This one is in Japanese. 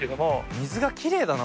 水がきれいだな。